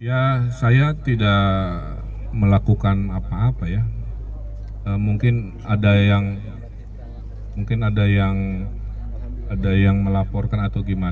ya saya tidak melakukan apa apa ya mungkin ada yang melaporkan atau gimana